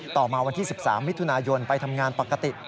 ต่อมาวันที่๑๓มิถุนายนไปทำงานปกติ